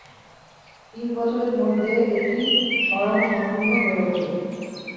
তিন বছরের মধ্যে এটি স্বয়ংসম্পূর্ণ হয়ে ওঠে।